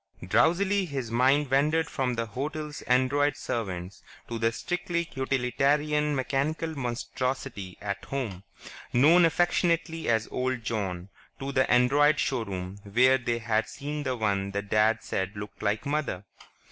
Drowsily his mind wandered from the hotel's android servants ... to the strictly utilitarian mechanical monstrosity at home, known affectionately as "Old John" ... to the android showroom where they had seen the one that Dad said looked like Mother....